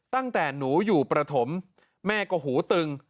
ตั้งแต่หนูอยู่ประถมแม่ก็หูตึง